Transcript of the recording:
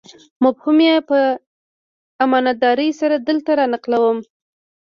مفهوم یې په امانتدارۍ سره دلته رانقلوم.